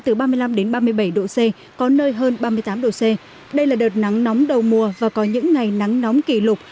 từ ba mươi năm đến ba mươi bảy độ c có nơi hơn ba mươi tám độ c đây là đợt nắng nóng đầu mùa và có những ngày nắng nóng kỷ lục